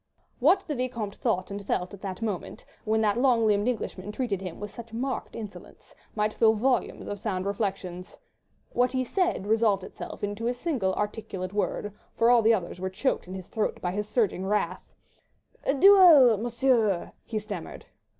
What the Vicomte thought and felt at that moment, when that long limbed Englishman treated him with such marked insolence, might fill volumes of sound reflections. ... What he said resolved itself into a single articulate word, for all the others were choked in his throat by his surging wrath— "A duel, Monsieur," he stammered.